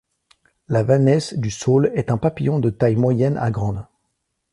La Vanesse du saule est un papillon de taille moyenne à grande.